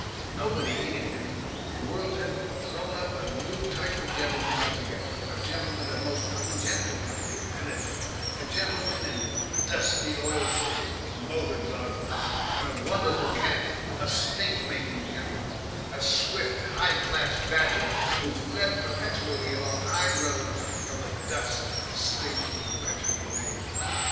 Nobody heeded him. The world had thrown up a new type of gentleman altogether a gentleman of most ungentlemanly energy, a gentleman in dusty oilskins and motor goggles and a wonderful cap, a stink making gentleman, a swift, high class badger, who fled perpetually along high roads from the dust and stink he perpetually made.